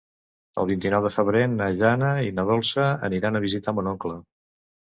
El vint-i-nou de febrer na Jana i na Dolça aniran a visitar mon oncle.